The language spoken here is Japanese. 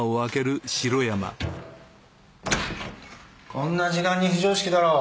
こんな時間に非常識だろう。